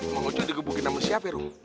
mang ojo digebukin sama siapa ya rum